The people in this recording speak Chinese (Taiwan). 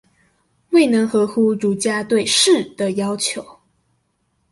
未能合乎儒家對士的要求？